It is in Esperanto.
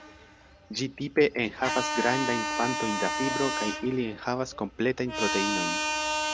Ĝi tipe enhavas grandajn kvantojn da fibro kaj ili enhavas kompletajn proteinojn.